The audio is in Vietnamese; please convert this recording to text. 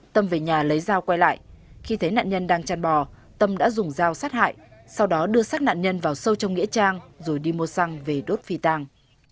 tâm về nhà lấy dao quay lại khi thấy nạn nhân đang chăn bò tâm đã dùng dao sát hại sau đó đưa sát nạn nhân vào sâu trong nghĩa trang rồi đi mua xăng về đốt phi tàng